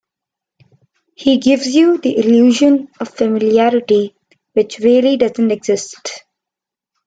He gives you the illusion of familiarity, which really doesn't exist.